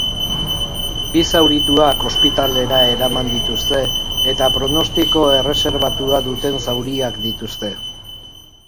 Bi zaurituek ospitalera eraman dituzte eta pronostiko erreserbatua duten zauriak dituzte.